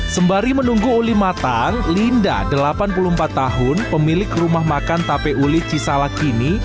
sembari menunggu uli matang linda delapan puluh empat tahun pemilik rumah makan tape uli cisalak ini